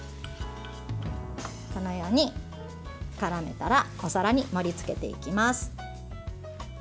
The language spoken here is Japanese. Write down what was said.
このようにからめたらお皿に盛りつけていきます。